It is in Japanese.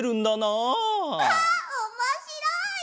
あっおもしろい！